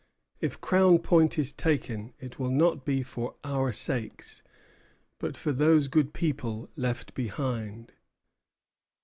If Crown Point is taken, it will not be for our sakes, but for those good people left behind."